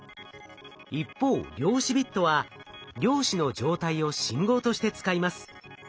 一方量子ビットは量子の状態を信号として使います。